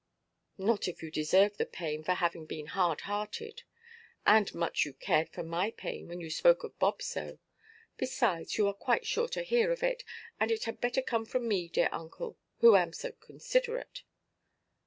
"Not if you deserve the pain for having been hard–hearted. And much you cared for my pain, when you spoke of Bob so. Besides, you are quite sure to hear of it; and it had better come from me, dear uncle, who am so considerate."